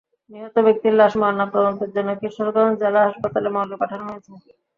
নিহত ব্যক্তির লাশ ময়নাতদন্তের জন্য কিশোরগঞ্জ জেলা হাসপাতাল মর্গে পাঠানো হয়েছে।